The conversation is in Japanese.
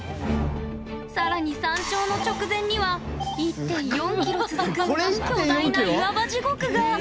さらに、山頂の直前には１．４ｋｍ続く巨大な岩場地獄が。